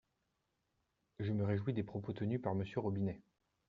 Je me réjouis des propos tenus par Monsieur Robinet.